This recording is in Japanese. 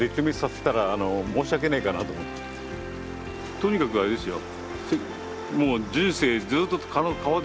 とにかくあれですよ